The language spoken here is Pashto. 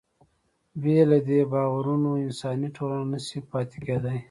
بې له دې باورونو انساني ټولنه نهشي پاتې کېدی.